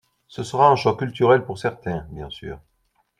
Ce sera un choc culturel pour certains, bien sûr.